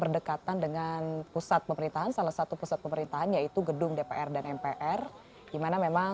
rekonstruksi yang adegan